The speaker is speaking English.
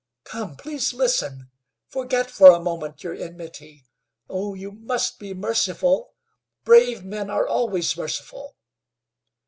Come, please listen! Forget for a moment your enmity. Oh! you must be merciful! Brave men are always merciful!"